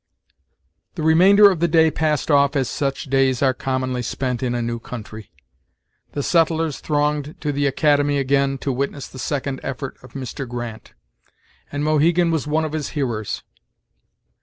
The remainder of the day passed off as such days are commonly spent in a new country. The settlers thronged to the academy again, to witness the second effort of Mr. Grant; and Mohegan was one of his hearers.